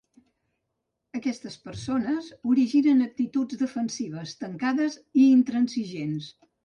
Aquestes persones originen actituds defensives, tancades i intransigents.